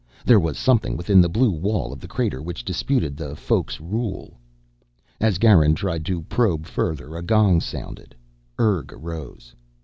There was something within the blue wall of the crater which disputed the Folk's rule. As Garin tried to probe further a gong sounded. Urg arose.